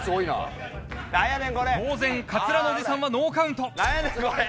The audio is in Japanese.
当然カツラのおじさんはノーカウント。